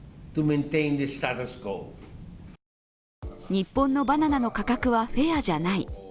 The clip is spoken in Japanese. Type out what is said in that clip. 日本のバナナの価格はフェアじゃない。